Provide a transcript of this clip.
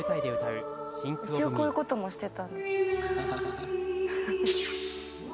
一応こういうこともしてたんです。